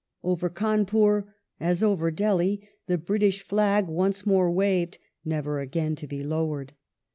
Over Cawnpur, as over Delhi, the British flag once more waved, never again to be lowered.